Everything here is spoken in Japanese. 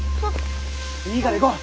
いいがら行こう。